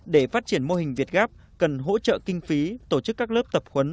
để phát triển mô hình việt gáp cần hỗ trợ kinh phí tổ chức các lớp tập khuấn